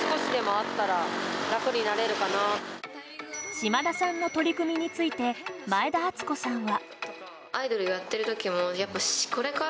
島田さんの取り組みについて前田敦子さんは。